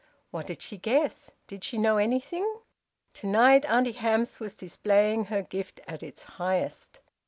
What did she guess? Did she know anything? To night Auntie Hamps was displaying her gift at its highest.